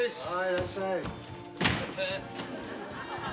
いらっしゃい。